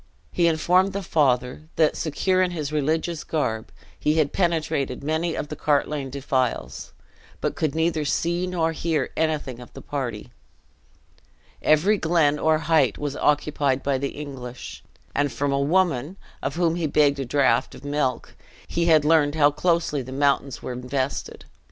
He informed the father that, secure in his religious garb, he had penetrated many of the Cartlane defiles, but could neither see nor hear anything of the party. Every glen or height was occupied by the English: and from a woman, of whom he begged a draught of milk, he had learned how closely the mountains were invested.